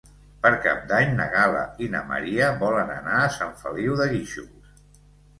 Per Cap d'Any na Gal·la i na Maria volen anar a Sant Feliu de Guíxols.